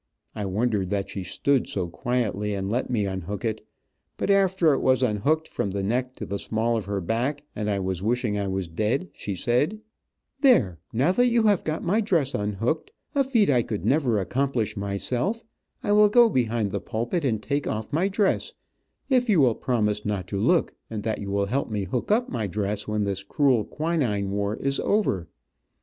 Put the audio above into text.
I wondered that she stood so quietly and let me unhook it, but after it was unhooked from the neck to the small of her back, and I was wishing I was dead, she said: "There, now that you have got my dress unhooked, a feat I never could accomplish myself, I will go behind the pulpit and take off my dress, if you will promise not to look, and that you will help me hook up my dress when this cruel quinine war is over."